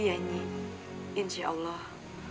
iya nyi insyaallah